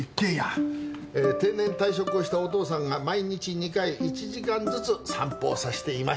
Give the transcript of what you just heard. えー定年退職をしたお父さんが毎日２回１時間ずつ散歩をさせていました。